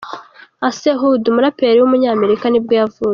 Ace Hood, umuraperi w’umunyamerika nibwo yavutse.